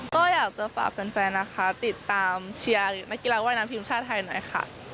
ก็อยากจะฝากแฟนนะคะติดตามเชียร์นักกีฬาว่ายน้ำทีมชาติไทยหน่อยค่ะ